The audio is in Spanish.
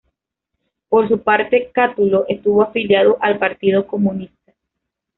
Por su parte Cátulo estuvo afiliado al Partido Comunista.